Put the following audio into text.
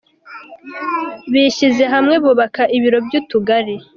Bishyize hamwe bubaka ibiro by’utugari